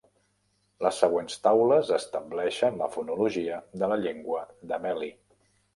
Les següents taules estableixen la fonologia de la llengua dameli.